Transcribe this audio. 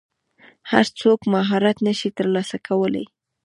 هر څوک مهارت نشي ترلاسه کولی.